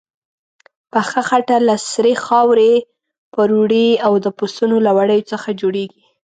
پخه خټه له سرې خاورې، پروړې او د پسونو له وړیو څخه جوړیږي.